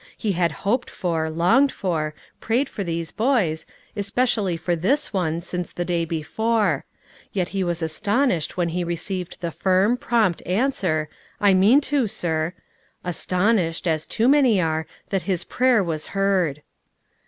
He had hoped for, longed for, prayed for these boys, especially for this one since the day before; yet he was astonished when he received the firm, prompt answer, "I mean to, sir," astonished, as too many are, that his prayer was heard.